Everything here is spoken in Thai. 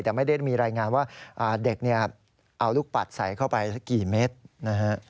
แต่ไม่ได้มีรายงานว่าเด็กเนี่ยเอาลูกปัดใส่เข้าไปสักกี่เมตรนะฮะ